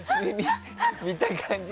見た感じ